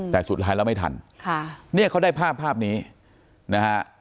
แต่สุดท้ายแล้วไม่ทันค่ะเนี่ยเขาได้ภาพภาพนี้นะฮะ